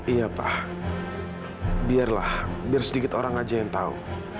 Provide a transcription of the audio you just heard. iya pak biarlah biar sedikit orang aja yang tahu